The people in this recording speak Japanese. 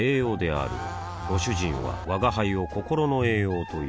あぁご主人は吾輩を心の栄養という